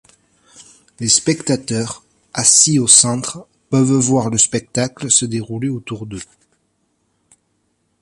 Les spectateurs, assis au centre, peuvent voir le spectacle se dérouler autour d’eux.